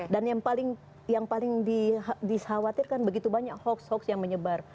dan yang paling dikhawatirkan begitu banyak hoax hoax yang menyebar